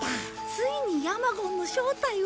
ついにヤマゴンの正体を。